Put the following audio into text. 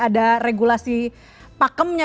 ada regulasi pakemnya